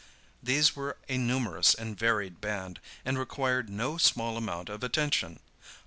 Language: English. These were a numerous and varied band, and required no small amount of attention.